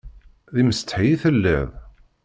D imsetḥi i telliḍ?